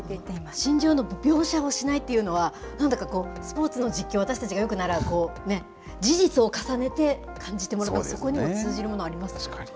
心情の描写をしないっていうのは、なんだかこう、スポーツの実況、私たちがよく習う、事実を重ねて感じてもらう、そこにも通確かに。